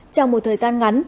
trong một thời gian ngắn